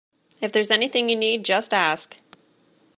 If there's anything you need, just ask